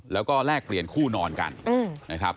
แล้วก็แลกเปลี่ยนคู่นอนกันนะครับ